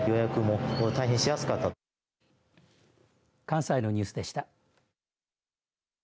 関西のニュースでした。